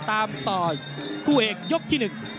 ตามต่อคู่เอกยกที่๑